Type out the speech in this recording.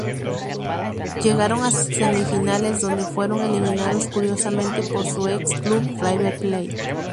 Llegaron a semifinales, donde fueron eliminados, curiosamente, por su ex-club River Plate.